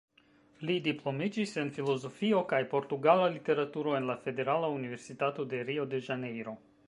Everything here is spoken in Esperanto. Li diplomiĝis en filozofio kaj portugala literaturo en la Federala Universitato de Rio-de-Ĵanejro.